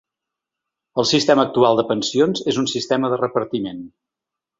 El sistema actual de pensions és un sistema de repartiment.